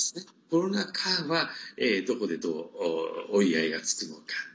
コロナ禍はどこでどう折り合いがつくのか。